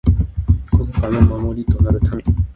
国家の守りとなる臣。